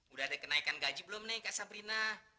udah ada kenaikan gaji belum nih kak sabrina